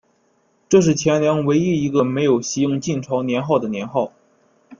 这是前凉唯一一个没有袭用晋朝年号的年号。